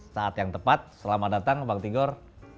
saat yang tepat selamat datang bang tigor